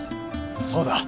そうだ。